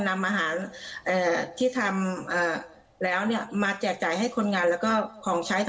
นำอาหารที่ทำแล้วเนี่ยมาแจกจ่ายให้คนงานแล้วก็ของใช้